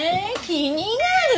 気になる！